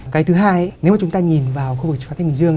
cái thứ hai nếu mà chúng ta nhìn vào khu vực phát thanh bình dương